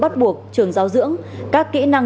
bắt buộc trường giáo dưỡng các kỹ năng